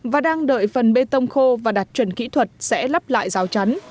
và đang đợi phần bê tông khô và đạt chuẩn kỹ thuật sẽ lắp lại rào chắn